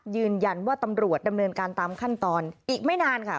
ยืนยันว่าตำรวจดำเนินการตามขั้นตอนอีกไม่นานค่ะ